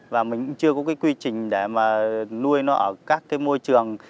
và mình cũng chưa có cái quy trình để mà nuôi nó ở các cái môi trường